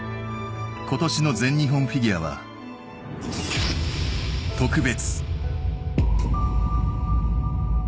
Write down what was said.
今年の全日本フィギュアは特別。